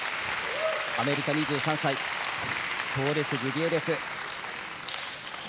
アメリカ、２３歳トーレス・グディエレス。